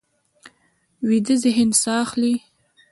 ویده ذهن ساه اخلي